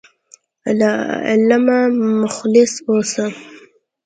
له علمه مخلص اوسه.